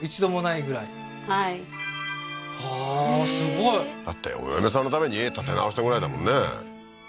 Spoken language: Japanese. もうはあーすごいだってお嫁さんのために家建て直したぐらいだもんね